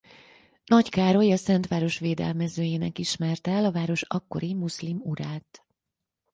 Nagy Károly a szent város védelmezőjének ismerte el a város akkori muszlim urát.